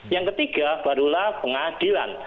yang ketiga barulah pengadilan